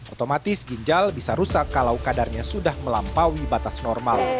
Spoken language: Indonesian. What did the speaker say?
otomatis ginjal bisa rusak kalau kadarnya sudah melampaui batas normal